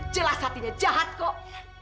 jelas hatinya jahat kok